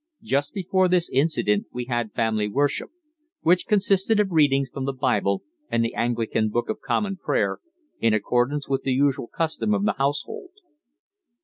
Just before this incident we had family worship, which consisted of readings from the Bible and the Anglican Book of Common Prayer, in accordance with the usual custom of the household.